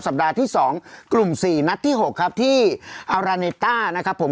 ปัดที่๒กลุ่ม๔นัดที่๖ครับที่อาราเนต้านะครับผม